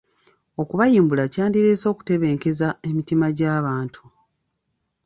Okubayimbula kyandireese okutebenkeza emitima gy'abantu.